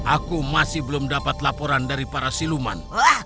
aku masih belum dapat laporan dari para siluman